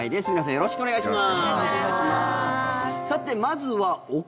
よろしくお願いします。